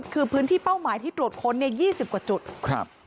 คือพื้นที่เป้าหมายที่ตรวจค้นเนี่ยยี่สิบกว่าจุดครับ